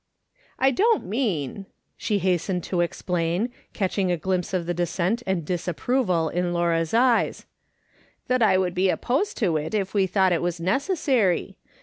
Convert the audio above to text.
" I don't mean," she hastened to explain, catching a glimpse of the dissent and disapproval in Laura's eyes, " that I would be opposed to it if we thought it was necessary.